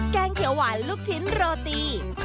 แกงเขียวหวานลูกชิ้นโรตี